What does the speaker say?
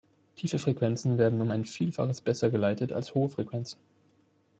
Tiefe Frequenzen werden um ein Vielfaches besser geleitet als hohe Frequenzen.